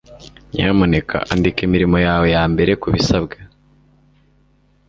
nyamuneka andika imirimo yawe yambere kubisabwa